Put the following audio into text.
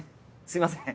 すいません。